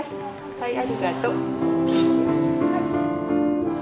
はいありがと。